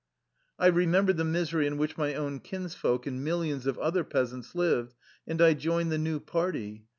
I re membered the misery in which my own kinsfolk and millions of other peasants lived and I joined the new party.